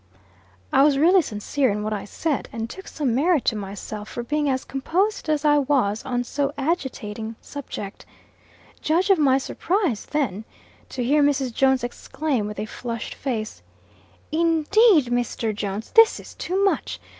I was really sincere in what I said, and took some merit to myself for being as composed as I was on so agitating subject. Judge of my surprise, then, to hear Mrs. Jones exclaim, with a flushed face, "Indeed, Mr. Jones, this is too much!